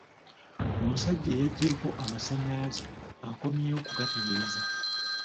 Omusajja eyaggyeeko amasanyalaze akomyewo kugatereeza.